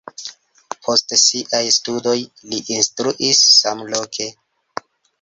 Post siaj studoj li instruis samloke.